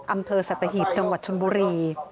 อำเภอสัตหีบจังหวัดชนบุรี